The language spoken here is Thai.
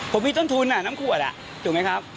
ผมมีต้นทุนน้ำขวดถูกไหมครับ